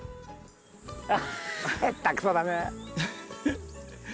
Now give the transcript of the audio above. へったくそだね。